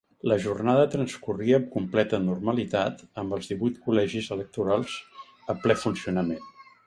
La jornada transcorria amb completa normalitat, amb els divuit col·legis electorals a ple funcionament.